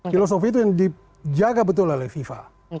filosofi itu yang dijaga betul oleh fifa